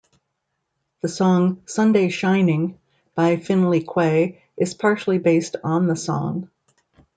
The song "Sunday Shining" by Finley Quaye is partially based on the song.